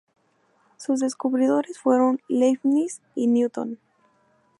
Sus descubridores fueron Leibniz y Newton.